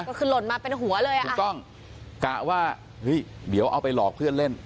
ก็คือหล่นมาเป็นหัวเลยอ่ะถูกต้องกะว่าเฮ้ยเดี๋ยวเอาไปหลอกเพื่อนเล่น